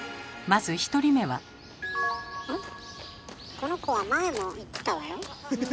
この子は前も行ったわよ。